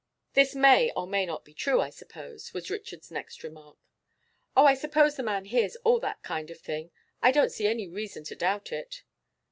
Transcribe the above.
'This may or may not be true, I suppose,' was Richard's next remark. 'Oh, I suppose the man hears all that kind of thing. I don't see any reason to doubt it.